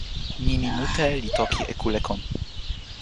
nimi mute li toki e kule kon.